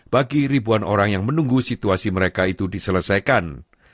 bagi ribuan orang yang menunggu situasi mereka itu diselesaikan